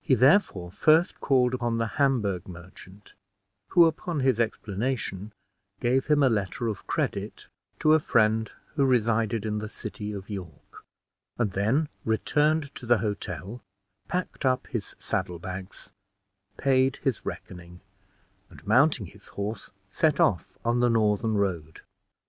He therefore first called upon the Hamburgh merchant, who, upon his explanation, gave him a letter of credit to a friend who resided in the city of York; and then returned to the hotel, packed up his saddle bags, paid his reckoning, and, mounting his horse, set off on the northern road.